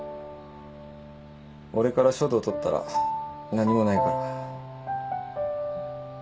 俺から書道とったら何もないから。